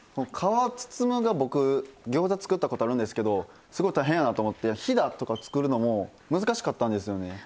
皮包むんが僕ギョーザ作ったことあるんですけどすごい大変やなと思ってひだとか作るのも難しかったんですよね。